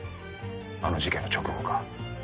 あの事件の直後か。